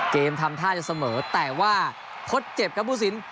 ทำท่าจะเสมอแต่ว่าทดเจ็บครับผู้สิน